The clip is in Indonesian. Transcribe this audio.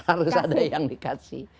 harus ada yang dikasih